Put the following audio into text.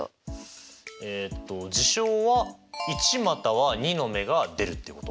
えっと事象は１または２の目が出るっていうこと。